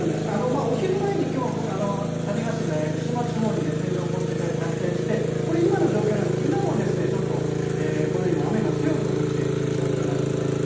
お昼前に種子島、屋久島地方に線状降水帯が発生して今の状況なんですが今も雨が強く降っている状況です。